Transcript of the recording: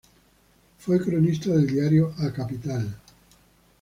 Fue cronista del diario "A Capital".